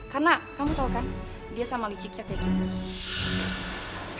karena kamu tau kan dia sama liciknya kayak kita